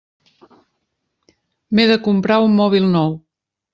M'he de comprar un mòbil nou.